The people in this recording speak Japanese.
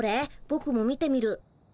ぼくも見てみる。